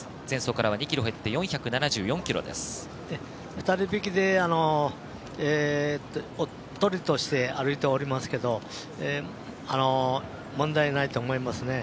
２人引きでおっとりとして歩いておりますけど問題ないと思いますね。